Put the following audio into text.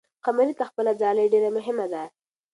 قمري ته خپله ځالۍ ډېره مهمه ده.